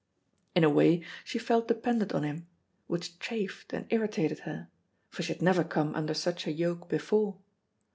In a way she felt dependent on him, which chafed and irritated her, for she had never come under such a yoke before.